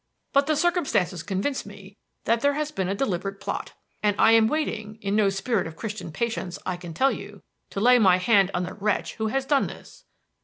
But the circumstances convince me that there has been a deliberate plot; and I am waiting in no spirit of Christian patience, I can tell you to lay my hand on the wretch who has done this."